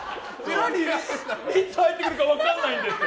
何でいつ入ってくるか分からないのよ。